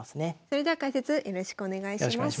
それでは解説よろしくお願いします。